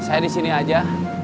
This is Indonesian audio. saya di sini aja